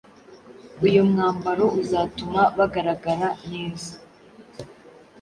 uyu mwambaro uzatuma bagaragara neza